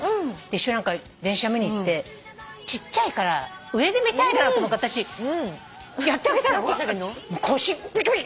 一緒に電車見に行ってちっちゃいから上で見たいだろうと思うから私やってあげたら腰ピキピキ！